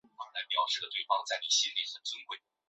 命令航路之中也以基隆神户线最为重要。